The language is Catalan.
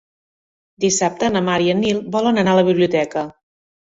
Dissabte na Mar i en Nil volen anar a la biblioteca.